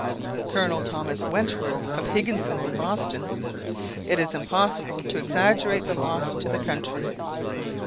Col. Thomas Wentworth of Higginson in Boston: "It is impossible to exaggerate the loss to the country."